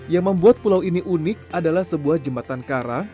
yang membuat pulau ini unik adalah sebuah jembatan karang